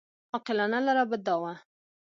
عاقلانه لاره به دا وه.